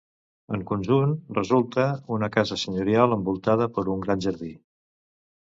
En conjunt resulta una casa senyorial envoltada per un gran jardí.